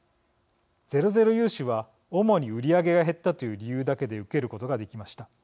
ゼロゼロ融資は主に売り上げが減ったという理由だけで受けることができました。